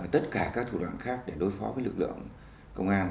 tất cả các thủ đoạn khác để đối phó với lực lượng công an